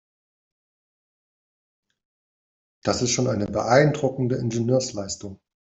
Das ist schon eine beeindruckende Ingenieursleistung.